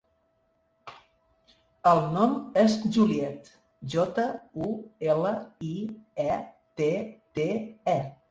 El nom és Juliette: jota, u, ela, i, e, te, te, e.